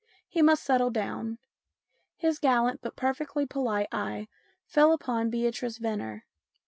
He must settle down. His gallant but perfectly polite eye fell upon Beatrice Venner.